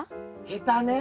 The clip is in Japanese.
へたね。